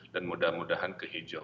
dan mudah mudahan ke hijau